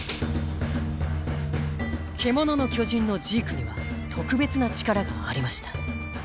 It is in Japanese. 「獣の巨人」のジークには特別な力がありました。